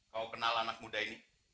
kau kenal anak muda ini